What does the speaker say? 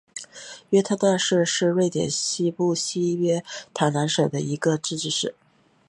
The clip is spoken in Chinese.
约特讷市是瑞典西部西约塔兰省的一个自治市。